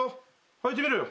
履いてみろよ。